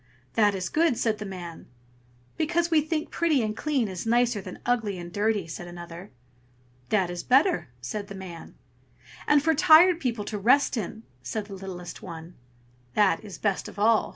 "That is good!" said the man. "Because we think pretty and clean is nicer than ugly and dirty!" said another. "That is better!" said the man. "And for tired people to rest in!" said the littlest one. "That is best of all!"